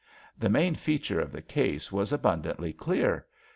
^' The main feature of the case was abundantly clear.